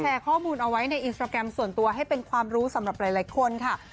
ข้อมูลเอาไว้ในอินสตราแกรมส่วนตัวให้เป็นความรู้สำหรับหลายคนค่ะ